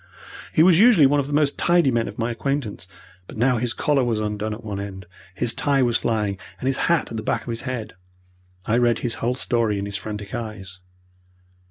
He was usually one of the most tidy men of my acquaintance, but now his collar was undone at one end, his tie was flying, and his hat at the back of his head. I read his whole story in his frantic eyes.